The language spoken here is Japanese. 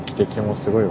すごいわ。